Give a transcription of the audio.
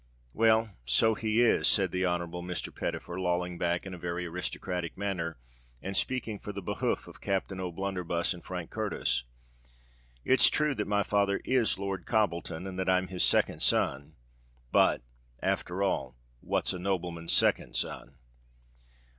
"Well, so he is," said the Honourable Mr. Pettifer, lolling back in a very aristocratic manner, and speaking for the behoof of Captain O'Blunderbuss and Frank Curtis; "it's true that my father is Lord Cobbleton, and that I'm his second son. But, after all—what's a nobleman's second son?"